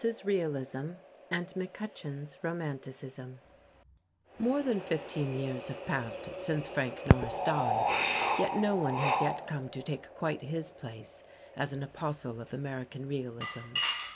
] Norris' Realism and McCutcheon's Romanticism More than fifteen years have passed since Frank Norris died, yet no one has yet come to take quite his place as an apostle of American realism.